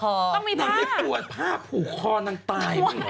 ต้องมีผ้านางไม่กลัวผ้าผูกคอนางตาย